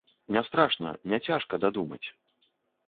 Не страшна, няцяжка дадумаць.